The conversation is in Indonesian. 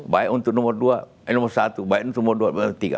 baik untuk nomor satu baik untuk nomor dua baik untuk nomor tiga